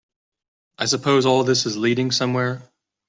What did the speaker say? I suppose all this is leading somewhere?